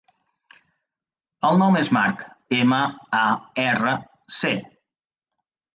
El nom és Marc: ema, a, erra, ce.